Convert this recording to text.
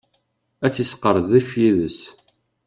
Ad tt-yesqerdec yid-s.